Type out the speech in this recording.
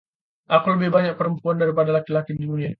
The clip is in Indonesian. Ada lebih banyak perempuan daripada laki-laki di dunia.